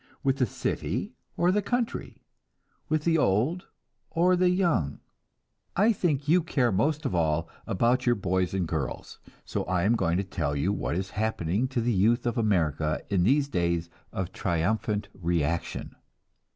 With the city or the country? With the old or the young? I think you care most of all about your boys and girls, so I am going to tell you what is happening to the youth of America in these days of triumphant reaction.